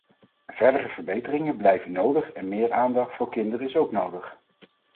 Verdere verbeteringen blijven nodig en meer aandacht voor kinderen is ook nodig.